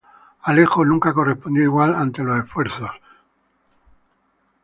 Alejo nunca correspondió igual ante los esfuerzos de Cielo.